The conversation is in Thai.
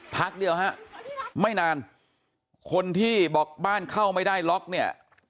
พักเดียวฮะไม่นานคนที่บอกบ้านเข้าไม่ได้ล็อกเนี่ย